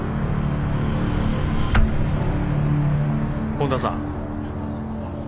本田さん。